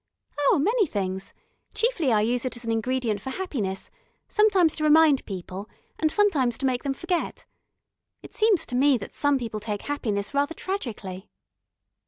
"Oh, many things. Chiefly I use it as an ingredient for happiness, sometimes to remind people, and sometimes to make them forget. It seems to me that some people take happiness rather tragically."